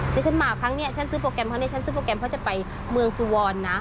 ที่ฉันมาครั้งนี้ฉันซื้อโปรแกรมครั้งนี้ฉันซื้อโปรแกรมเพราะจะไปเมืองสุวรรณนะ